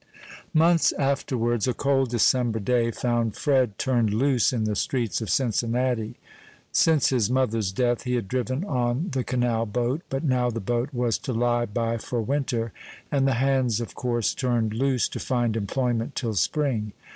Months afterwards, a cold December day found Fred turned loose in the streets of Cincinnati. Since his mother's death he had driven on the canal boat; but now the boat was to lie by for winter, and the hands of course turned loose to find employment till spring.